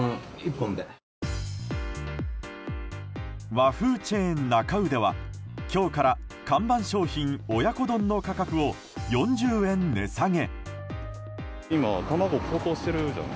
和風チェーン、なか卯では今日から看板商品、親子丼の価格を４０円値下げ。